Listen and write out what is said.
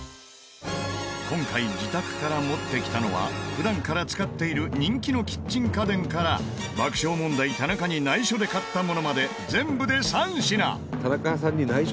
今回自宅から持ってきたのは普段から使っている人気のキッチン家電から爆笑問題田中に内緒で買ったものまで全部で３品。